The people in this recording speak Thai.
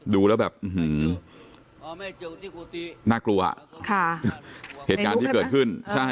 ดูแล้วแบบอือหือน่ากลัวค่ะเหตุการณ์ที่เกิดขึ้นใช่